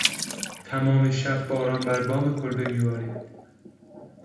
تمام شب باران بر بام کلبه میبارید.